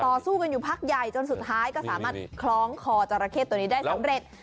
ต่อสู้กันอยู่พักใหญ่จนสุดท้ายก็สามารถคล้องคอจราเข้ตัวนี้ได้สำเร็จ